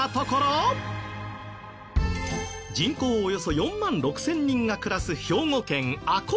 およそ４万６０００人が暮らす兵庫県赤穂市は。